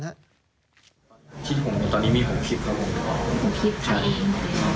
คือตอนนี้มีหงค์คลิปเพราะว่า